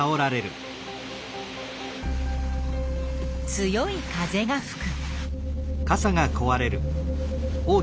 強い風がふく。